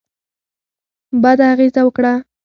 بده اغېزه وکړه.